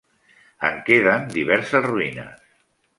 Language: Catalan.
En queden diverses ruïnes.